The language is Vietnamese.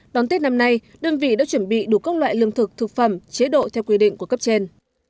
đón tết năm nay đơn vị đã chuẩn bị đủ các loại lương thực thực phẩm chế độ theo quy định của cấp trên